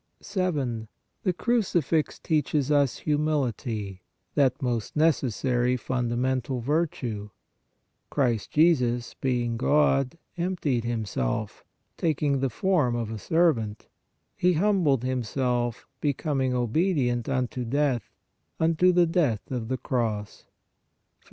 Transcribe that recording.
The Crucifix teaches us humility, that most necessary fundamental virtue :" Christ Jesus, being God, emptied Himself, taking the form of a servant; He humbled Himself, becoming obedient unto death, unto the death of the cross " (Phil.